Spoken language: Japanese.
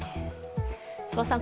諏訪さん